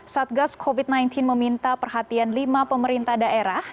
satgas covid sembilan belas meminta perhatian lima pemerintah daerah